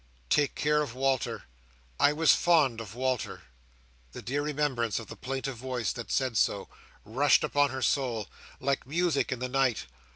"Take care of Walter, I was fond of Walter!" The dear remembrance of the plaintive voice that said so, rushed upon her soul, like music in the night.